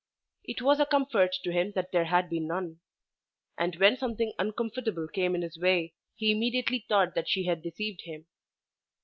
It was a comfort to him that there had been none; and when something uncomfortable came in his way he immediately thought that she had deceived him.